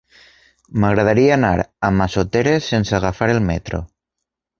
M'agradaria anar a Massoteres sense agafar el metro.